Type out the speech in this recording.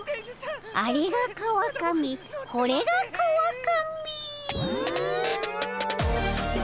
あれが川上これが川上」。